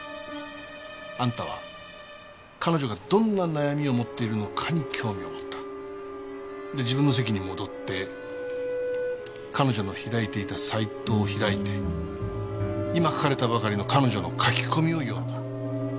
あんたは彼女がどんな悩みを持っているのかに興味を持った。で自分の席に戻って彼女の開いていたサイトを開いて今書かれたばかりの彼女の書き込みを読んだ。